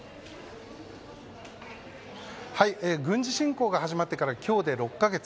軍事侵攻が始まってから今日で６カ月。